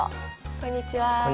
こんにちは。